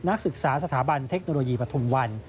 นักศึกษาสถาบันเทคโนโลยีปฐุมวัน